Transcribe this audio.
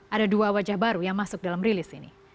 ada dua wajah baru yang masuk dalam rilis ini